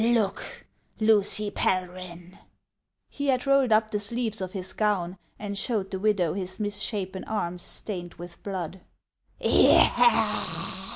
Look, Lucy Pelryhn !" He had rolled up the sleeves of his gown, and showed the widow his misshapen arms stained with blood.